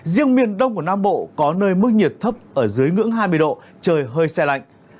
riêng miền đông của nam bộ có nơi mức nhiệt thấp ở dưới ngưỡng hai mươi độ trời hơi xe lạnh